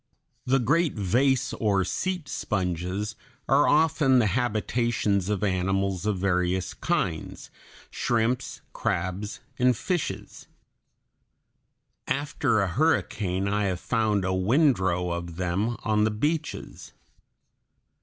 The great vase or seat sponges are often the habitations of animals of various kinds shrimps, crabs, and fishes. After a hurricane I have found a windrow of them on the beaches.